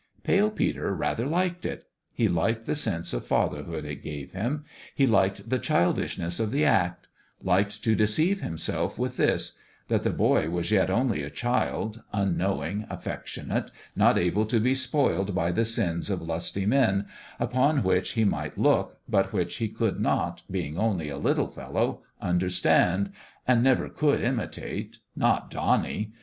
Pale Peter rather liked it : he liked the sense of fatherhood it gave him ; he liked the childishness of the act liked to deceive himself with this : that the boy was yet only a child, unknowing, affectionate, not able to be spoiled by the sins of lusty men, upon which he might look, but which he could not, being only a little fellow, understand, and never could imitate. Not Donnie